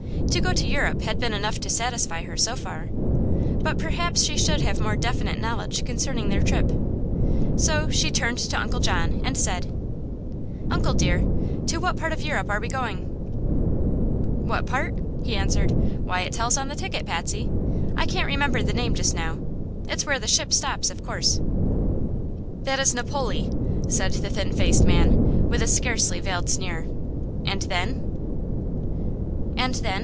To go to Europe had been enough to satisfy her so far, but perhaps she should have more definite knowledge concerning their trip. So she turned to Uncle John and said: "Uncle, dear, to what part of Europe are we going?" "What part?" he answered. "Why, it tells on the ticket, Patsy. I can't remember the name just now. It's where the ship stops, of course." "That is Napoli," said the thin faced man, with a scarcely veiled sneer. "And then?" "And then?"